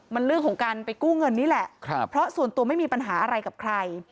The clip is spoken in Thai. มันเรื่องของการไปกู้เงินนี่แหละเพราะส่วนตัวไม่มีปัญหาอะไรกับใคร